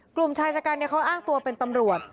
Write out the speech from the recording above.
กลุ่มชายชะกันเขาอ้างตัวเป็นตำรวจ